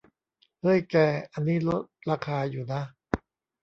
เฮ้ย แก อันนี้ลดราคาอยู่นะ